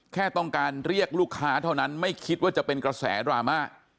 แค่ต้องการเรียกลูกค้าเท่านั้นไม่คิดว่าจะเป็นกระแสดราม่า